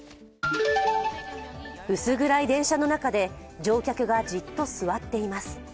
薄暗い電車の中で乗客がじっと座っています。